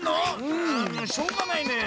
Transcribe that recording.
うんしょうがないねぇ。